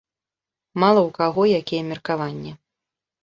Мала ў каго якія меркаванні.